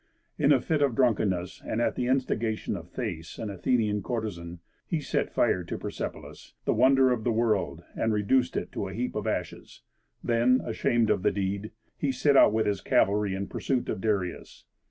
In a fit of drunkenness, and at the instigation of Thaïs, an Athenian courtesan, he set fire to Persepolis, the wonder of the world, and reduced it to a heap of ashes; then, ashamed of the deed, he set out with his cavalry in pursuit of Darius.